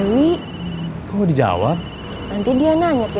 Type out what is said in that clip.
lagu lagu yang biasa kita nyanyi